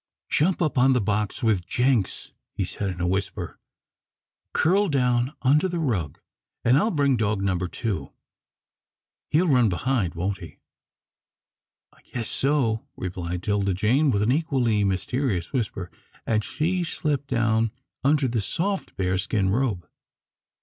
"Jump up on the box with Jenks," he said in a whisper. "Curl down under the rug, and I'll bring dog number two. He'll run behind, won't he?" "I guess so," replied 'Tilda Jane, with an equally mysterious whisper, and she slipped down under the soft bearskin robe.